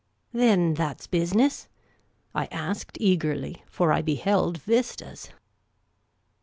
" Then that 's business ?" I asked, eagerly ; for I beheld vistas.